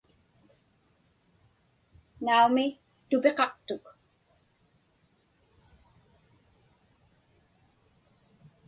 Naumi, tupiqaqtuk.